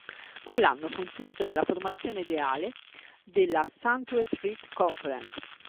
Quell'anno fu inserito nella formazione ideale della Southeastern Conference.